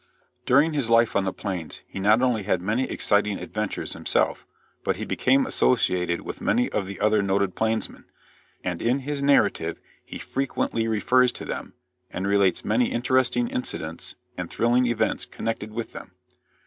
During his life on the plains he not only had many exciting adventures himself, but he became associated with many of the other noted plainsmen, and in his narrative he frequently refers to them and relates many interesting incidents and thrilling events connected with them.